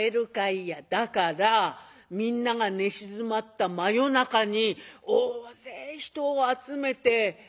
「だからみんなが寝静まった真夜中に大勢人を集めて」。